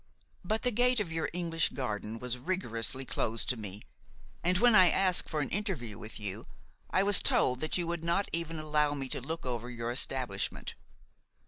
But the gate of your English garden was rigorously closed to me; and when I asked for an interview with you, I was told that you would not even allow me to look over your establishment.